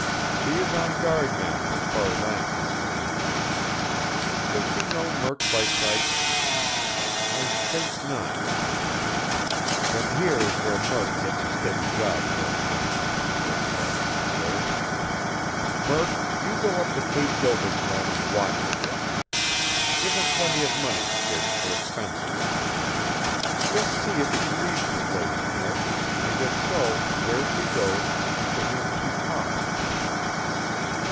"She is on guard now, as far as I am concerned." "Does she know Murk by sight?" "I think not." "Then here is where Murk gets a steady job for a time," Jim Farland declared. "Murk, you go up to Kate Gilbert's home and watch a bit. Give him plenty of money, Sid, for expenses. Just see if she leaves the place, Murk, and if so, where she goes, and to whom she talks.